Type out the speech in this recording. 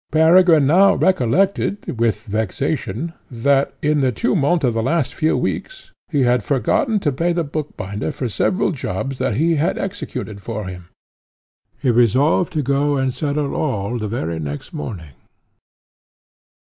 Peregrine now recollected, with vexation, that, in the tumult of the last few weeks, he had forgotten to pay the bookbinder for several jobs that he had executed for him; he resolved to go and settle all the very next morning.